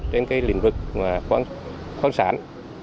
trên lĩnh vực khoáng sản